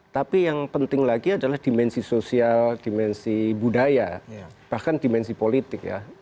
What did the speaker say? tapi yang penting lagi adalah dimensi sosial dimensi budaya bahkan dimensi politik ya